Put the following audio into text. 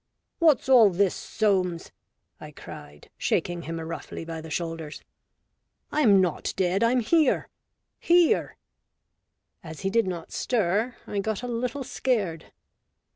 " What's all this, Soames ?" I cried, shaking him roughly by the shoulders. " I'm not dead, I'm here — here !" WHEN I WAS DEAD. 135 As he did not stir, I got a little scared.